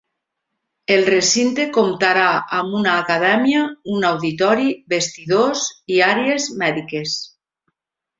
El recinte comptarà amb una acadèmia, un auditori, vestidors i àrees mèdiques.